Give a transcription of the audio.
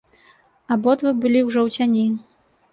Абодва былі ўжо ў цяні.